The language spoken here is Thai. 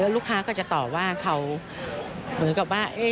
ลูกค้าก็จะตอบว่าเขาเหมือนกับว่า